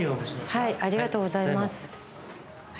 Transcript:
ありがとうございます。